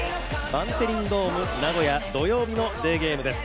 バンテリンドームナゴヤ土曜日のデーゲームです。